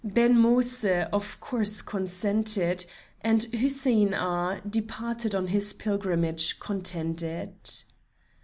Ben Moïse of course consented, and Hussein Agha departed on his pilgrimage, contented.